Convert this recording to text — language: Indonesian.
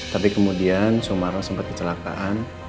tapi kemudian sumarno sempat kecelakaan